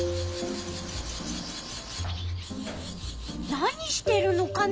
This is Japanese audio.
何してるのかな？